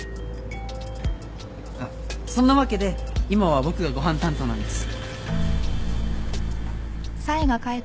あっそんなわけで今は僕がご飯担当なんです。